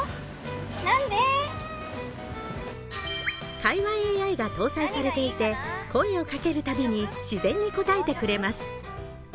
会話ＡＩが搭載されていて、声をかけるたびに自然に応えてくれます。